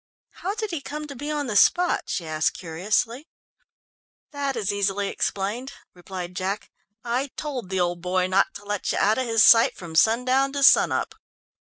How did he come to be on the spot?" she asked curiously. "That is easily explained," replied Jack. "I told the old boy not to let you out of his sight from sundown to sun up."